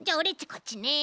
こっちね。